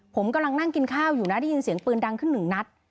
ผมกำลังนั่งกินข้าวอยู่นะได้ยินเสียงปืนดังขึ้นหนึ่งนัด